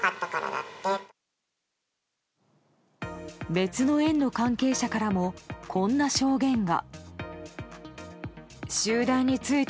別の園の関係者からもこんな証言が。